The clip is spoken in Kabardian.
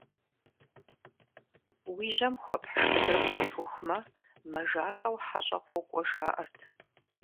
Уи жьэм хуэпхь шхыныр пӀэпыхумэ, мажалӀэу хьэщӀэ къокӀуэ жаӀэрт.